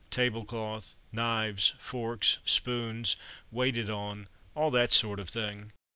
Tablecloth, knives, forks, spoons, waited on, all that sort of thing.